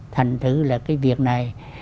thành thứ là cái việc này